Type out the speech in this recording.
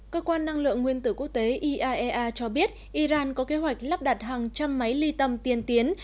cơ quan năng lượng nguyên tử quốc tế iaea cho biết iran có kế hoạch lắp đặt hàng trăm máy ly tâm tiên tiến